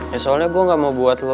ya soalnya gue gak mau buat lo